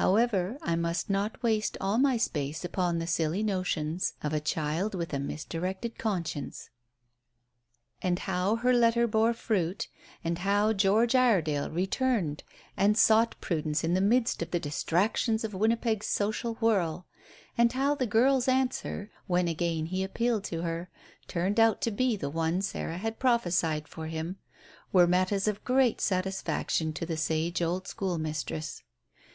However, I must not waste all my space upon the silly notions of a child with a misdirected conscience." And how her letter bore fruit, and how George Iredale returned and sought Prudence in the midst of the distractions of Winnipeg's social whirl, and how the girl's answer, when again he appealed to her, turned out to be the one Sarah had prophesied for him, were matters of great satisfaction to the sage old school mistress.